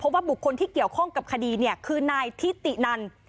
ว่าบุคคลที่เกี่ยวข้องกับคดีเนี่ยคือนายทิตินัน